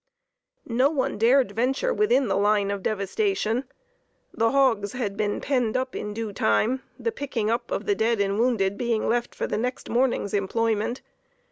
No one dared venture within the line of devastation. The hogs had been penned up in due time, the picking up of the dead and wounded being left for the next morning's employment.